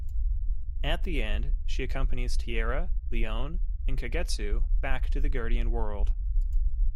At the end, she accompanies Tiara, Leon and Kagetsu back to the Guardian World.